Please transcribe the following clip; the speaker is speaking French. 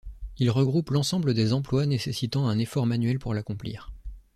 Il regroupe l'ensemble des emplois nécessitant un effort manuel pour l'accomplir.